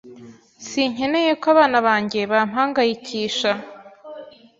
Sinkeneye ko abana banjye bampangayikisha.